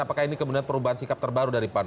apakah ini kemudian perubahan sikap terbaru dari pan